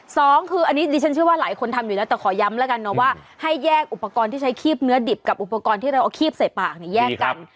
สองคืออันนี้ดิฉันเชื่อว่าหลายคนทำอยู่แล้วแต่ขอย้ำแล้วกันนะว่าให้แยกอุปกรณ์ที่ใช้คีบเนื้อดิบกับอุปกรณ์ที่เราเอาคีบใส่ปากเนี่ยแยกกัน